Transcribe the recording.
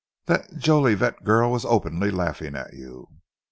That Jolivet girl was openly laughing at you.